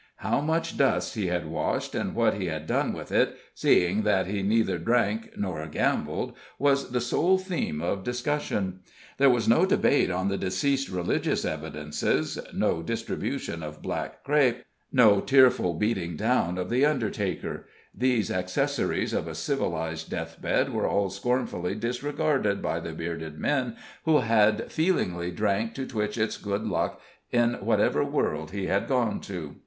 How much dust he had washed, and what he had done with it, seeing that he neither drank nor gambled, was the sole theme of discussion. There was no debate on the deceased's religious evidences no distribution of black crape no tearful beating down of the undertaker; these accessories of a civilized deathbed were all scornfully disregarded by the bearded men who had feelingly drank to Twitchett's good luck in whatever world he had gone to.